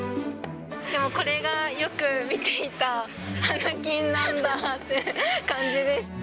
でも、これがよく見ていた華金なんだって感じです。